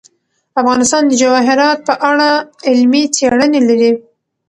افغانستان د جواهرات په اړه علمي څېړنې لري.